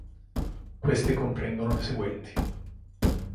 Queste comprendono le seguenti.